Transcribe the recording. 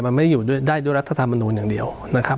มันไม่ได้อยู่ด้วยรัฐธรรมนุมอย่างเดียวนะครับ